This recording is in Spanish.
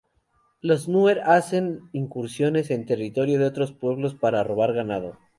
Los nuer hacen incursiones en territorio de otros pueblos para robar ganado.